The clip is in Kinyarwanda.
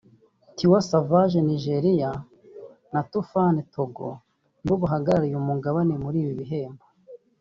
Tiwa Savage (Nigeria) na Toofan (Togo) nibo bahagarariye uyu mugabane muri ibi bihembo